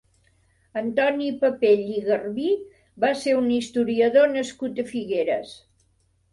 Antoni Papell i Garbí va ser un historiador nascut a Figueres.